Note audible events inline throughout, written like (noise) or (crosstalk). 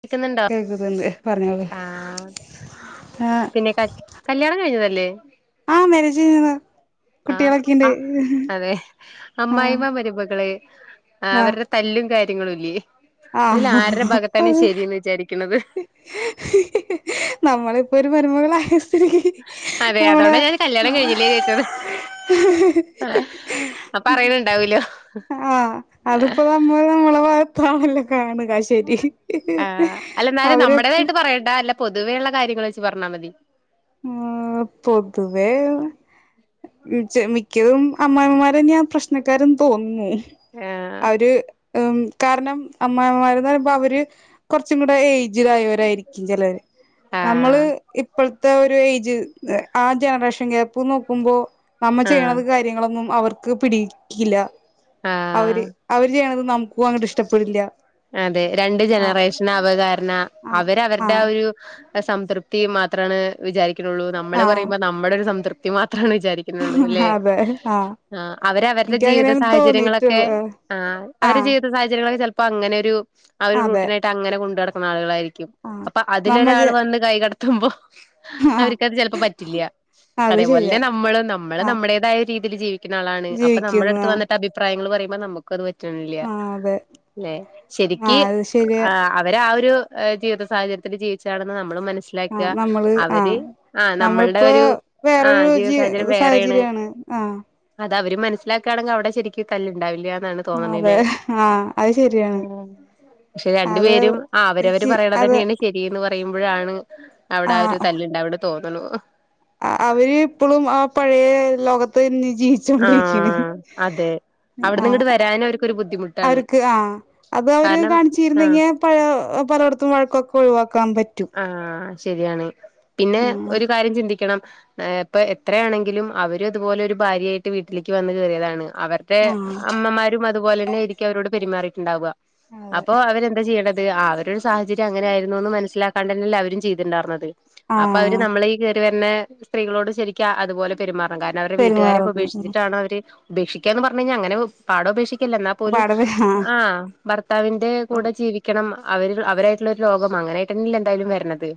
കേക്ക്ന്ന്ണ്ടോ? കേൾക്കുന്നുണ്ട് പറഞ്ഞോളൂ ആഹ്, ആ പിന്നെ ക കല്ല്യാണം കഴിഞ്ഞതല്ലേ? ആഹ്, മേരേജ് ചെയ്ത്ണ്. ആഹ്, അഹ്, അതെ ആ അമ്മായിമ്മ മരുമകള് ആ അവര്ടെ തല്ലും കാര്യങ്ങളും ഇല്ല്യേ, ആ അതില് ആര്ടെ ഭാഗത്താണ് ശരിന്ന് വിചാരിക്ക്ണത്. നമ്മളിപ്പൊ ഒരു മരുമകളായി അതെ, അതോണ്ടാ ഞാന് കല്ല്യാണം കഴിഞ്ഞില്ലേ ചോയ്ച്ചത്. അപ്പം അറിയണ് ണ്ടാവല്ലോ. ആ ഏഹ് അതിപ്പോ നമ്മള് നമ്മളെ ഭാഗത്ത്ന്നാണല്ലോ കാണ്ക ശെരി, ആഹ് അല്ല എന്നാലും അവര്പ്പം നമ്മുടേതായിട്ട് (unintelligible) അല്ല പൊതുവേള്ള കാര്യങ്ങൾ വെച്ച് പർഞ്ഞാ മതി. മ്, പൊതുവേ ഇച്ച് മിക്കതും അമ്മായമ്മമാരെന്ന്യാ പ്രശ്നക്കാരെന്ന് തോന്നുന്ന്. ആഹ് അവര് ഉം കാരണം അമ്മായമ്മമാര്ന്ന് പറയുമ്പോ അവര് കൊർച്ചും കൂടെ ഏജ് ഏജ് ടായവരായിരിക്കും ചെലവര് നമ്മള് ആഹ് ഇപ്പൾ ത്തെ ഒരു ഏജ് ആ ജനറേഷൻ ഗേപ്പ് നോക്കുമ്പോ നമ്മ ആഹ് ചെയ്യ്ണത് കാ ര്യങ്ങളൊന്നും അവർക്ക് പിടിക്കില്ല. അവര് ആഹ് അവര് ചെയ്യണത് നമുക്കും അങ്ങട്ട് ഇഷ്ടപ്പെടില്ല്യ. അതെ. രണ്ട് ജനറേഷൻ ആവ കാരണം ആ അവര ആ വര്ടെ ഒരു അ സംതൃപ്തി മാത്രാണ് വിചാരിക്ക്ണുള്ളൂ നമ്മള് ആ പറയുമ്പൊ നമ്മടെ ഒരു സംതൃപ്തി മാത്രമാണ് വിചാരി ക്ക്ണുള്ളു ലെ, അതെ ആ ആഹ് അവരവര്ടെ ജീവിത എനിക്കങ്ങനെയാണ് സഹചര്യങ്ങളൊക്കെ തോന്നിയിട്ടുള്ള ആഹ് ആ അവരെ ജീവ് വിത സാഹചര്യങ്ങളൊക്കെ ചെൽപ്പോ അങ്ങനൊരു ആ ഒരു അതെ റൂട്ടിനായിട്ടങ്ങനെ കൊണ്ട് നടക്കുന്ന ആളുകളായിരിക്കും ആ അപ്പ നമ്മ അതിലൊരാൾ ജെ വന്ന് കൈ കടത്തുമ്പോ ആ അവര്ക്കത് ചെലപ്പോ പറ്റില്ല്യ. അത് ശരിയാ അതേപോലെന്നെ നമ്മള് നമ്മള് ആ നമ്മുടേതായ രീതിയിൽ ജീവി ക്ക്ണ ആളാണ്. അപ്പ ജീവിക്കുന്നു നമ്മുടെട്ത്ത് ആ വന്നിട്ട് അഭിപ്രായങ്ങള് പറയുമ്പോ നമു ക്കത് പറ്റ്ണില്ല്യ. ആ അതെ ലെ ആ ശെരിക്ക് അത് ശരിയാ അവരെ ആ ഒരു ജീവിത സാഹചര്യത്തില് ജീവിച്ചയാണെന്ന് നമ്മളും മനസ്സി ആ ലാക്കുക നമ്മള് ആ അവര് ആഹ് നമ്മളിപ്പോ നമ്മൾടൊരു ആഹ് വേറൊരു ജീവിത ജീ സാഹചര്യം വേറെയാണ് സാഹചര്യാണ് ആ അതവര് മനസ്സിലാക്കാണെങ്കി അവിടെ ശെരിക്കും തല്ലുണ്ടാവില്ല്യാ എന്നാണ് അതെ തോന്നണ്ല്ലേ ആഹ് അത് ശരിയാണ് ഉം പക്ഷെ രണ്ടു അത് പേരും ആഹ് അവരവര് ചി അത് പറയണതന്നെയാണ് ശെരീന്ന് പറയുമ്പോഴാണ് അവിടെ ആ ഒരു തല്ലുണ്ടാവണ് തോന്നണു ആഹ് അവര് ഇപ്പളും ആ പഴയ ലോകത്ത് തന്നെയാ ജീവി ആഹ് അതെ അവിടുന്ന് ആഹ് ഇങ്ങോട്ട് വരാൻ അവർക്കൊരു ബുദ്ധിമുട്ടാണ് അവർക്ക് ആഹ് അതവര് കാരണം ആ കാണിച്ചിരുന്നെങ്കിയേ പഴോ പലോടത്തും വഴക്കൊക്കെ ഒഴിവാക്കാൻ പറ്റും ആഹ് ശെരിയാണ് പിന്നെ ആഹ് ഒരു കാര്യം ചിന്തിക്കണം ഏഹ് ഇപ്പൊ എത്രയാണെങ്കിലും അവരും അതുപോലൊരു ഭാര്യായിട്ട് വീട്ടിലേക്ക് വന്ന് കേറിയതാണ് അവർ ടേ ആഹ് അമ്മമാരും അതുപോലന്നെ ആയിരിക്കും അവരോട് പെരുമാറിയിട്ടുണ്ടാവുക അതെ അപ്പൊ അവരെന്താ ചെയ്യണ്ട ത് ആ ഒരു സാഹചര്യം അങ്ങനെയായിരുന്നൂന്ന് മനസ്സിലാക്കാണ്ടന്നല്ലേ അവരും ചെയ്തിട്ട്ണ്ടാർന്നത് അപ്പൊ അവര് ആഹ് നമ്മളീ കേറി വരണ സ്ത്രീകളോട് ശെരി ക്ക്യാ അതുപോലെ പെരുമാറണം കാരണം അവരുടെ വീട്ടുകാരൊക്കെ പെരുമാറുന്നു ഉപക്ഷിച്ചിട്ടാണ് അവര് ഉപേക്ഷിക്കാന്ന് പറഞ്ഞ് കഴിഞ്ഞാ അങ്ങനെ പാടെ ഉപേക്ഷിക്കല്ല എന്നാ പോലും ആഹ് ഭർത്താവിന്റെ കൂടെ ജീവിക്കണം അവര് അവരായിട്ടുള്ളൊരു ലോകം അങ്ങനെയായിട്ടന്നല്ലെ എന്തായാലും വരണത്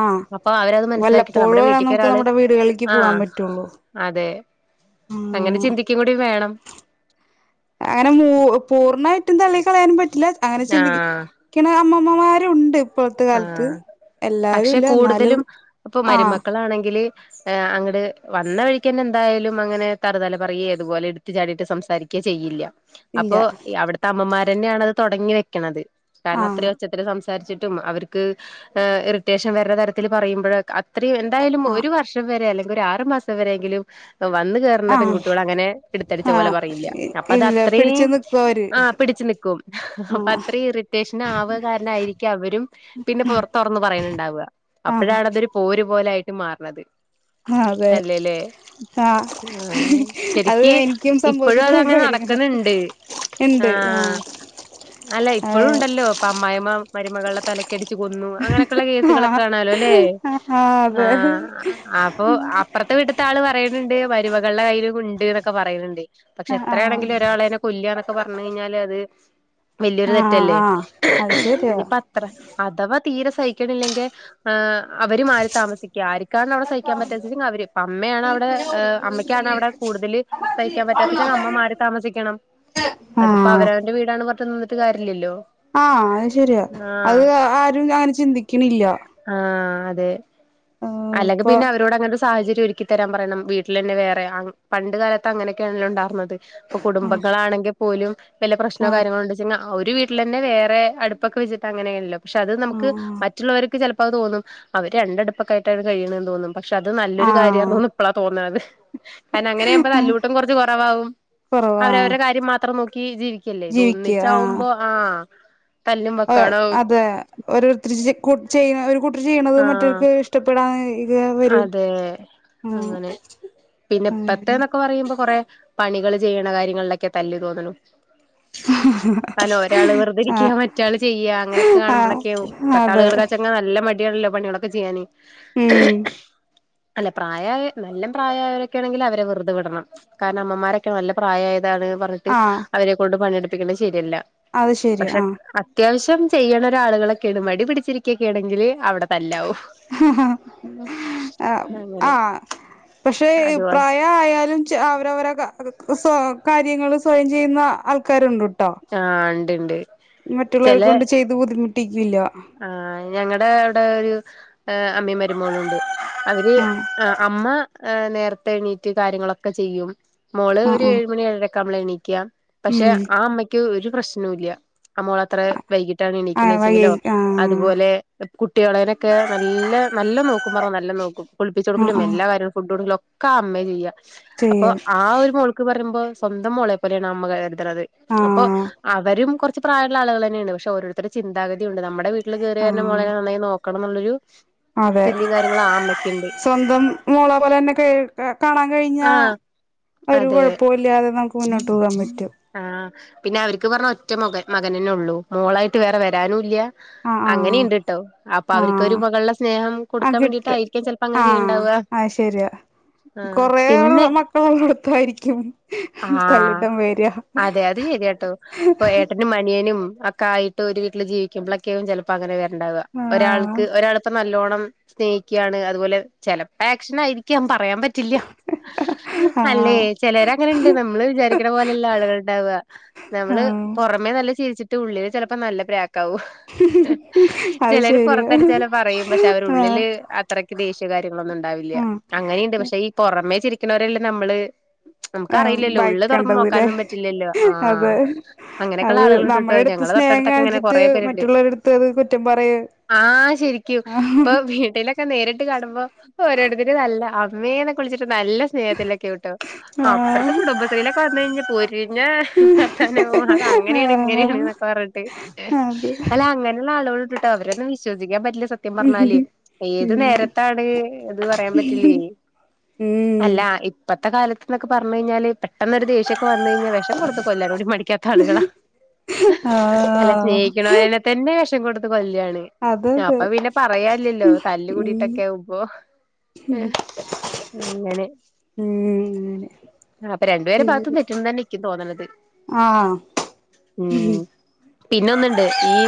ആഹ് അപ്പ അവരത് മനസ്സിലാക്കിട്ട് നമ്മുടെ വല്ലപ്പോഴും വീട്ടിക്ക് നമുക്ക് ഒരാള് നമ്മുടെ വീടുകളിലേക്ക് പോകാൻ ആഹ് പറ്റുള്ളൂ അതെ അങ്ങനെ ആഹ് ചിന്തിക്കും കൂടി വേണം അങ്ങനെ മൂ പൂർണ്ണായിട്ടും തള്ളി കളയാനും പറ്റില്ല അങ്ങനെ ചിന്തിക്ക ആഹ് ക്കിണ അമ്മമ്മമാരുണ്ട് ഇപ്പോഴത്തെ കാലത്ത് ആഹ് എല്ലാരും പക്ഷെ ഇല്ല എന്നാലും കൂടുതലും ഇപ്പൊ ആഹ് മരുമക്കളാണെങ്കില് അങ്ങട് വന്ന വഴിക്കന്നെ എന്തായാലും അങ്ങനെ തറതല പറയെ ഇതുപോലെ എടു കുട്ടി ചാടീട്ട് സംസാരിക്കെ ചെയ്യില്ല ഇല്ല അപ്പോ ഈ അവിടുത്തെ അമ്മമാരന്നെയാണ് അത് തൊടങ്ങി വെക്കണത് കാരണം ആഹ് അത്രേം ഒച്ചത്തിൽ സംസാരിച്ച് ട്ടും അവർക്ക് ഏഹ് ഇറിറ്റേഷൻ വരുന്ന തരത്തില് പറയുമ്പോഴ ഇത്രേം എന്തായാലും ആഹ് ഒരു വർഷം വരെ അല്ലെങ്കി ഒരു ആറു മാസം വരെയെങ്കിലും ഏഹ് വന്ന് വന്ന ആഹ് പെൺകുട്ട്യോളങ്ങനെ എടുത്തടിച്ച പോലെ ആഹ് പറയില്ല അപ്പൊ അത് ഇല്ല അത്രേം പിടിച്ചു നിക്കും അവര് ആഹ് പിടിച്ച് നിക്കും അപ്പൊ ആഹ് അത്രേം ഇറിറ്റേഷൻ ആവുക കാരണം ആയിരി ക്ക അവരും പിന്നെ പൊറ തൊറന്ന് പറയണുണ്ടാവാ ആഹ് അപ്പോഴാണ് അതൊരു പോര് പോലെ ആയിട്ട് മാറണത് ആഹ് അതെ അല്ലേല്ലേ ആഹ് ആഹ് അത് ശരിക്ക് എനിക്കും ഇപ്പഴും സംഭവിച്ചിട്ടുള്ള അതങ്ങനെ കാര്യങ്ങളാ നടക്കണുണ്ട് ഇണ്ട് ആഹ് അല്ല ഇപ്പോഴും ആഹ് ഉണ്ടല്ലോ ഇപ്പ അമ്മായമ്മ മരുമകളെ തല ക്കെടിച്ച് കൊന്നു അങ്ങനെയൊക്കെയുള്ള കേസുകളൊക്കെ ആഹ് കാണാല്ലോലേ ആഹ് അതെ ആഹ് അപ് പ്പോ അപ്പറത്തെ വിട്ട്ത്താള് പറയണുണ്ട് മരുമകൾടെ കയ്യിലും ഉണ്ട് ന്നൊക്കെ പറയല്ണ്ട് പക്ഷെ ആഹ് എത്രെണെങ്കിലും ഒരാളേനെ കൊല്ല്വാന്നൊക്കെ പറഞ്ഞ് കഴിഞ്ഞാല് അത് വെല്യൊരു ആഹ് തെറ്റല്ലേ ആഹ് അത് ശരിയാ ഇനിപ്പ അത്ര അഥവാ തീരെ സഹിക്കണില്ലെങ്കി ആഹ് അവര് മാറി താമസിക്കുക ആര്ക്കാണ് അവിടെ സഹിക്കാൻ പറ്റാത്തതെങ്കി അവര് ഇപ്പൊ അമ്മയാണ് അവിടെ ഏഹ് അമ്മയ്ക്കാണ് അവിടെ കൂടുതല് സഹിക്കാൻ പറ്റാത്തേച്ചാ അമ്മമാറി താമസിക്കണം അതിപ്പോ ആഹ് അവര എന്റെ വീടാണ് പറഞ്ഞ്ട്ട് നിന്നിട്ട് കാര്യല്ലല്ലോ ആഹ് അത് ശെരിയാ ആഹ് അത് ആരും അങ്ങനെ ചിന്തിക്കണില്ല ആഹ് അതെ ആഹ് അല്ലെങ്കി ഇപ്പൊ പിന്നെ അവരോടങ്ങനൊരു സ് സാഹചര്യം ഒരുക്കിത്തരാൻ പറയണം വീട്ടിലന്നെ വേറെ ആം പണ്ട് കാലത്ത് അങ്ങനക്കെയാണല്ലോ ഒണ്ടാർന്നത് ഇപ്പൊ ആഹ് കുടുംബങ്ങളാണെങ്കിൽ പോലും വല്ല പ്രശ്നോ ആഹ് കാര്യങ്ങളോണ്ട് (unintelligible) ഒരു വീട്ടിലന്നെ വേറെ അടുപ്പൊക്കെ വെച്ചിട്ടങ്ങനേണല്ലോ പക്ഷെ അത് നമുക്ക് ആഹ് മ മറ്റുള്ളവർക്ക് ചിലപ്പോ അത് തോന്നും റ്റ്ള്ളവർക്ക് ചെലപ്പത് തോന്നും. അവര് രണ്ടടുപ്പൊക്കായിട്ടാണ് കഴിയണന്ന് തോന്നും പക്ഷെ അത് നല്ലൊരു ആഹ് കാര്യാർന്നുന്ന് പ്പളാ തോന്ന്ണത് കാരണം അങ്ങനെ ആകുമ്പം ആഹ് തല്ലൂട്ടം കൊർച്ച് കൊറവാവും കൊറവാ അവരവരുടെ കാര്യം മാത്രം നോക്കി ജീവിക്കല്ലേ ത് ജീവിക്കുക ഒന്നിച്ചാവുമ്പൊ ആഹ് തല്ലും അ വക്കാണാവും അതെ ഓരോരുത്തരി ചെയ ഒരു കൂട്ടർ ചെയ്യണത് ആഹ് മറ്റോർക്ക് ഇ ഷ്ടപ്പെടാൻ ഇത് വരും അതെ ആഹ് അ അതെലെ ക്കെ പറയുമ്പോ കൊറെ പണികള് ചെയ്യണ കാര്യങ്ങളിലൊക്കെ തല്ല് തോന്ന്ണു കാരണം ഒരാള് വെറുതെരിക്ക്യ, ആഹ് മറ്റാള് ചെയ്യ അങ്ങനൊക്കെ ആഹ് കാണുളൊക്കെയാവും. പ്പത്തെ അതെ ആളുകൾക്കാച്ചങ് നല്ല മ ട്യാണല്ലോ പണികളൊക്കെ ചെയ്യാന് ഉം അല്ല പ്രായായ നല്ലം പ്രായായവരൊക്കെ ആണെങ്കിലവരെ വെറുതെ വിടണം. കാരണം അമ്മമാരൊക്കെ നല്ല പ്രായായതാണ് പർഞ്ഞിട് - ട്ട് ആഹ് അവരെ കൊണ്ട് പണിയെടുപ്പിക്കണ്ട ശരിയല്ല അത് ശരി പക്ഷെ ആഹ് അ - ത്യാവശ്യം ചെയ്യണ ഒരാളുകളൊക്കേണ്. മടി പിടിച്ചിരിക്കൊക്കേണെങ്കില് അവിടെ തല്ലാവു അങ്ങനെ ആഹ് പക്ഷെ ഇ അതുപോലെ പ്രായ ആയാലും ചെ അവരവര കാര്യങ്ങൾ സ്വയം ചെയ്യുന്ന ആൾക്കാരുണ്ട് ട്ടോ ആ ഇണ്ട് ഇണ്ട് മറ്റുള്ളവരെ ചെലെ കൊണ്ട് ചെയ്ത് ബുദ്ധിമുട്ടിക്കില്ല. ആഹ് ഞങ്ങടെ അവിടെ ഒരു ഏഹ് അമ്മി മരുമോളുണ്ട് അവര് ആഹ് ആ അമ്മ എ നേരത്തെ എണീറ്റ് കാര്യങ്ങളൊക്കെ ചെയ്യും. മോള് ഒരു ആഹ് ആഹ് ഏഴുമണി ഏഴെ ക്കവുമ്പള എണീക്ക്യാ. പക്ഷെ ഉം ആ അമ്മയ്ക്ക് ഒരു പ്രശ്നൂല്യ. ആ മോളത്രെ വൈകിട്ടാണ് ആഹ് വയ്യ എണീക്ക്ണേച്ചെങ്കിലോ ആഹ് അതുപോലെ കുട്ടികളേനൊക്കെ നല്ല നല്ല നോക്കും പറ നല്ല നോക്കും ആഹ് കുളിപ്പിച്ചൊടുക്കലും ആഹ് എല്ലാം. കാര്യങ്ങളും ഫുഡു കൊടുക്കലും ഒക്കാ അമ്മേ ചെയ്യ അപ്പൊ ചെയ്യും ആ ഒരു മോൾ ക്ക് പറയുമ്പോ സ്വന്തം മോളെ പോലെയാണ് ആ അമ്മ കരുതുന്നത് അപ്പൊ ആഹ് അവരും കൊർ ച്ച് പ്രായുള്ള ആളുകളെന്നേണ്. പക്ഷെ ഓരോരുത്തരെ ചിന്താഗതിയുണ്ട്. നമ്മുടെ വീട്ടില് കേറിവര്നെ ആഹ് മോളെ നന്നായി നോക് ക്കണംന്നുള്ളൊരു അതെ ചിന്തയും കാര്യങ്ങളും ആ- അമ്മയ്ക്കുണ്ട് സ്വന്തം മോളെ പോലെന്നെ കെ കാണാൻ കഴിഞ്ഞ. ആഹ് ഒരു അതെ കൊഴപ്പവുല്ല്യാതെ നമുക്ക് മുന്നോട്ട് പോകാൻ പറ്റും. ആഹ് പിന്നവരിക്ക് പർഞ്ഞ ഒറ്റ മ മകനന്നെള്ളൂ മോളായിട്ട് വേറെ വരാനുംല്ല. ആഹ് അങ്ങനിണ്ട് ട്ടോ ആഹ് അപ്പവരിക്കൊരു ആഹ് മകളുടെ സ്നേഹം കൊടുക്കാൻ വേണ്ടിട്ടായിരിക്കും ചെൽപ്പങ്ങനെ ചെയ്യ്ണ്ടാവ ആയ് ശരിയാ കൊറെ ഉള്ള മക്കളുള്ളടത്തായിരിക്കും ആഹ് തല്ലുട്ടം വെരാ അതെ അത് ശരിയാട്ടോ പ്പൊ ഏട്ട നും അനിയനും ഒക്കായിട്ട് ഒരു വീട്ടിൽ ജീവിക്കുമ്പൊളൊക്കേവും ചെലപ്പോ അങ്ങനെ വെര്ണ്ടാവുക ആഹ് ഒരാൾക്ക് ഒരാളെ പ്പ നല്ലോണ്ണം സ്നേഹിക്ക്യാണ്. അതുപോലെ ചെലപ്പേക്ഷനായിരിക്ക്യാം. പറയാൻ പ റ്റില്ല്യ. അല്ലേ ആഹ് ചെലരങ്ങനെണ്ട് നമ്മള് വിചാരിക്കണ പോലെല്ല ആള്കള്ണ്ടാവ. നമ്മള് ആഹ് പൊറമേ നല്ല ചിരിച്ചിട്ട് ഉള്ളില് ചെലപ്പ നല്ല പ്രാക്കാവു അത് ചെലര് ശരിയാ പൊറത്തടിച്ചാലെ പറയും പക്ഷെ ആഹ് അവരുള്ളില് അത്രക്ക് ദേശ്യ കാര്യങ്ങളൊന്നുംണ്ടാവില്ല്യ. ഉം അങ്ങനിണ്ട്. പക്ഷെ ഈ പൊറമേ ചിരിക്കുന്നവരെല്ലേ നമ്മള് ആഹ് നമുക്ക്റിയില്ലല്ലോ ഉള്ള് തൊറന്ന് ഭയക്കണ്ടതില്ലേ നോക്കാനൊന്നും പറ്റില്ലല്ലോ. ആഹ് അതെ അങ്ങനെയൊക്കുള്ള അത് ആളുകളൾണ്ട്ട്ടോ നമ്മുടെ ഞ അടുത്ത് സ്നേഹം കാണിച്ചിട്ട് മറ്റുള്ളവരെടുത്ത് അത് കുറ്റം പറയു ആഹ് ശരിക്കും ആഹ് ഇപ്പൊ വീട്ടിലൊക്കെ നേരിട്ട് കാണുമ്പോ ഓരോരുത്തര് നല്ല അമ്മേന്നൊക്കെ വിളിച്ചിട്ട് നല്ല സ്നേഹത്തിലൊക്ക്യാവുട്ടോ ആഹ് അപ്പറത്തെ കുടബശ്രീയിലൊക്കെ വന്ന് കഴിഞ്ഞ പൊരിഞ്ഞ വർത്താനാവും. അതങ്ങനേണ് ഇങ്ങനേണ് ആഹ് ന്നൊക്കെ. പറട്ടി അതെ അങ്ങനെയുള്ള ആളുകളോ ണ്ട്ട്ടോ അവരൊന്ന് വിശ്വസിക്കാൻ പറ്റില്ല സത്യം പറഞ്ഞാല് ഏത് ഉം നേരത്താണ് അത് പറയാൻ പറ്റില്ലേ അല്ല ഇപ്പത്തെ കാലത്ത്ന്നൊക്കെ പറഞ്ഞ് കഴിഞ്ഞാല് പെട്ടന്നൊരു ദേഷ്യക്കെ വു വന്ന് കഴിഞ്ഞാൽ വിഷ് ഷം കൊടുത്ത് കൊല്ലാനുടി മടിക്കാത്ത ആളുകളാ അല്ല ആഹ് സ്നേഹിക്കുന്നവരന്നെ തന്നെ വെഷം കൊടുത്ത് കൊല്ലാണ് അതതെ അപ്പൊ പിന്നെ പറയാ ല്യല്ലോ ഉം തല്ല് കൂടിട്ടൊക്കെ ആവുംമ്പോ ഏ അങ്ങനെ ഉം അങ്ങനെ അപ്പൊ രണ്ടുപേരെ ഭാഗത്തും തെറ്റുണ്ട് തന്നെ ഇനിക്കും തോന്നണത് ആഹ് ഉം പിന്നെ ഒന്നുണ്ട് ഈ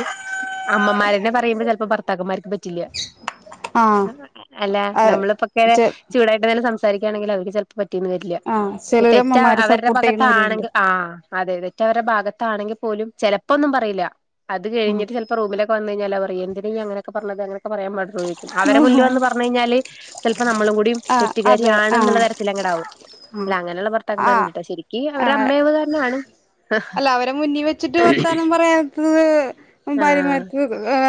അമ്മമാരെന്നെ പറയുമ്പോൾ ചെലപ്പോ ഭർത്താക്കന്മാർക്ക് പറ്റ് റ്റില്ല ആഹ് അല്ല അഹ് നമ്മളിപ്പോ ഇങ്ങനെ ചെ ചൂടായിട്ട് ങ്ങനെസംസാ സംസാരിക്കാണെങ്കിൽ അവര്ക്ക് ചെലപ്പോ പറ്റിയെന്ന് വരില്ല ആഹ് തെറ്റ് ചെലോരമ്മമാരെ അവരുടെ സപ്പോർട്ട് ചെയ്യണോരുണ്ട് ഭാഗത്താണെങ്കിൽ ആഹ് അതെ തെറ്റ് അവരുടെ ഭാഗത്താണെങ്കിൽ പോലും ചെലപ്പോന്നും പറയില്ല അത് ആഹ് കഴിഞ്ഞിട്ട് ചെല് പ്പോ റൂമിലോക്കെ വന്ന് കഴിഞ്ഞാൽ പറയ എന്തിന അങ്ങനൊക്കെ പറഞ്ഞത് അങ്ങനെയൊക്കെ പറയാൻ പാടുണ്ടോ ചോയ് അവരെ മുന്നിൽ വന്ന് പറഞ്ഞ് കഴിഞ്ഞാല് ചെലപ്പോ നമ്മളും കൂടി ആഹ് അതെ തെറ്റുകാരിയാണ് എന്നുള്ള ആഹ് തരത്തിലങ്ങ്ടാവും അല്ല ആഹ് അങ്ങനെയുള്ള ആഹ് ഭർത്താക്കന്മാരുണ്ട്ട്ടോ ശരിക്ക് അവര് ആഹ് അമ്മയാവ് കാരണാണ് അല്ല അവരെ മുന്നിൽ വെച്ചിട്ട് വർത്താനം പറയാത്തത് ആഹ് ഭാര്യമാർക്ക്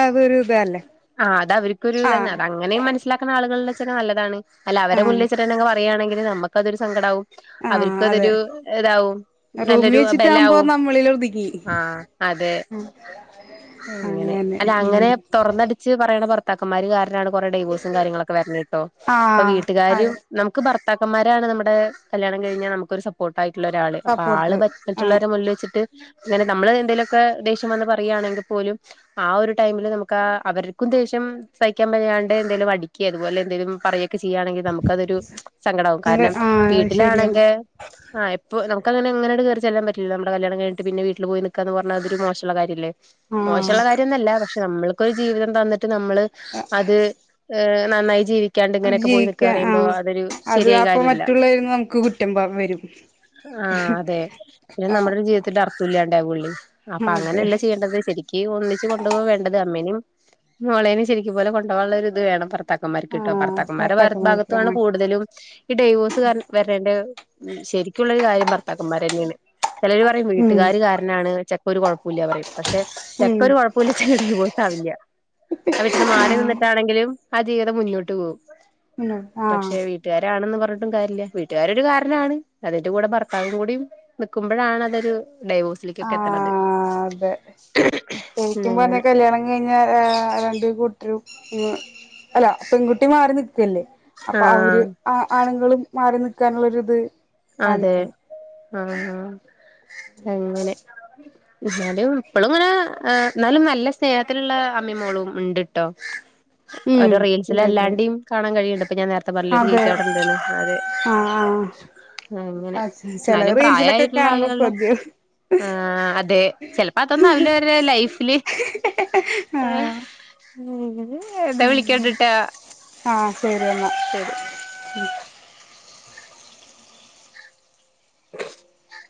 അതൊരു ഇതല്ലേ ആഹ് അത് അവർക്കൊരു തന്ന ആഹ് അങ്ങനെ മനസിലാക്ക്ണ ആളുകള് ഉണ്ടെങ്കിൽ നല്ലതാണ് അല്ല അവരെ മുന്നിൽ ആഹ് വച്ചിട്ടെ പറയാണെങ്കിൽ നമ്മക്കതൊരു സങ്കടാവും ആഹ് അവർക്ക് അതെ അതൊരു ഇതാവും റൂമിൽ നല്ലൊരു വെച്ചിട്ടാകുമ്പോ ബലാവും നമ്മളിൽ ഒതുങ്ങി ആഹ് അതെ (unintelligible) അങ്ങനെ അല്ല അങ്ങനെ തൊറന്നടിച്ച് പറയ്ണ ഭർത്താക്കന്മാര് കാരണാണ് കൊറേ ഡൈവോഴ്സും കാര്യങ്ങളൊക്കെ വരണ് ട്ടോ അപ്പൊ ആഹ് വീട്ടുകാരും അതെ നമുക്ക് ഭർത്താക്കന്മാരാണ് നമ്മുടെ കല്യാണം കഴിഞ്ഞാൽ നമുക്കൊരു സപ്പോ സപ്പോർട്ടായിട്ടുള്ള ഒരാള് അപ്പൊ ആൾ സപ്പോർട്ട് ആഹ് മറ്റുള്ളവരെ മുന്നിൽ വെച്ചിട്ട് അങ്ങനെ നമ്മള് എന്തേലോക്കെ ദേഷ്യം വന്ന് പറയാണെങ്കിൽ പോലും ആ ഒരു ടൈമില് നമുക്ക് അവർക്കും ദേഷ്യം സഹിക്കാൻ വയ്യാണ്ടേ എന്തെങ്കിലും അടിക്കെ അതുപോലെ എന്തെലും പറയെ ചെയ്യാണെങ്കിൽ നമുക്ക് അതൊരു സങ്കടാകും അത് കാരണം ആഹ് അത് ശരിയാണ് വീട്ടിലാണെങ്കെ ആ ഇപ്പോ നമുക്കഅങ്ങന അങ്ങനട് കേറി ചെല്ലാൻ പറ്റില്ല നമ്മടെ കല്യാണം കഴിഞ്ഞിട്ട് പിന്നെ വീട്ടിൽ പോയി നിക്കാന്ന് പറഞ്ഞ അതൊരു മോശള്ള കാര്യല്ലേ ആഹ് മോശള്ള കാര്യന്നല്ല പക്ഷെ നമ്മൾക്കൊരു ജീവിതം തന്നിട്ട് നമ്മള് അത് ഏഹ് നന്നായി ജീവി ക്കാണ്ടേ അത് ഇങ്ങനെയൊക്കെ പോയിന്ന്ക്ക ജീവിക്കാ പറയുമ്പോ ആഹ് അതൊരു അത് ശരിയായ അപ്പൊ കാര്യല്ല മറ്റുള്ളവര്ന്ന് നമുക്ക് കുറ്റം പ വരും ആഹ് അതെ പിന്നെ ആഹ് നമ്മടെ ഒരു ജീവിതത്തിന്റെ അർഥ ഇല്ല്യാണ്ടവൊള്ളെ അപ്പൊ അതെ അങ്ങനല്ല ചെയ്യേണ്ടത് ശരിക്ക് ക്ക് ഒന്നിച്ച് കൊണ്ട് പോക വേണ്ടത് അമ്മേനും മോളേനേം ശരിക്കും പോലെ കൊണ്ടാകാ ള്ളൊരു ഇത് വേണം ഭർത്താക്കന്മാർക്ക് കിട്ടും ആഹ് ഭർത്താക്കന്മാരുടെ ഭാ കട്ടാക്കണ ഭാഗത്താണ് ആഹ് കൂടുതലും ഈ ഡൈവോഴ്സ് വരേന്റെ ശരിക്കുള്ളരു കാര്യം ഭർത്താക്കന്മാരന്നെണ് ചെലര് പറയും ഉം വീട്ടുകാര് കാരണം ന്നെയാണ് ചെക്ക ഒരു കൊഴപ്പുല്ലാ പറയും പക്ഷെ ചെക്ക ഉം ഒരു കുഴപ്പുല്ല (unintelligible) ല്ല ആ വീട്ടിന്ന് മാറി ആഹ് നിന്നിട്ടാണെങ്കിലും ആ ജീവിതം മുന്നോട്ട് പോകും ആഹ് പക്ഷെ വീ വീട്ടുകാരാണെന്ന് പറഞ്ഞിട്ടും കാര്യല്ല വീട്ടുകാരൊരു കാരണമാണ് അതിന്റെ കൂടെ ഭർത്താവും കൂടി നിക്കുമ്പോഴാണ് അതൊരു ഡൈവ് ആഹ് അതെ ശരിക്കും പറഞ്ഞ അങ്ങനെ കല്യാണം കഴിഞ്ഞ രണ്ട് കൂട്ടരും അല്ല പെൺകുട്ടി മാറി നിക്കല്ലേ അപ്പൊ അവര് ആഹ് ആ ആണുങ്ങളും മാറി നിക്കാനുള്ളരിത് അതെ ആഹ് ആഹ് അങ്ങനെ എന്നാലും ഇപ്പളും ഇങ്ങനെ എന്നാലും നല്ല സ്നേഹത്തിലുള്ള അമ്മയും മോളും ഉണ്ട്ട്ടോ ഉം ഒരു റീൽസില് ഇണ്ട്ണ്ട് അല്ലാണ്ടേ കാണാൻ കഴിയുണ്ട് ഇപ്പ ഞാൻ നേരത്തെ പറഞ്ഞില്ലേ ഒരു അതെ ചേച്ചി അവിടെ ഉണ്ട്ന്ന് അതെ ആഹ് ആഹ് അങ്ങനെ ആ ചെല എന്നാലും റീൽസിലൊക്കെ പ്രായായിട്ടുള്ള കാണുമ്പോ ആളുകളുടെ കൊതിയാവും ആഹ് അതെ ചിലപ്പോ അതൊന്നും ആവില്ല അവരെ ലൈഫില് ആഹ് ഉം എന്നാ വിളിക്കണ്ട്ട്ടാ ആഹ് ശരിയെന്നാ ശരി (unintelligible) (inaudible)